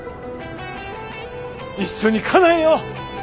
一緒にかなえよう！